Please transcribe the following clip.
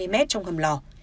ba mươi mét trong hầm lò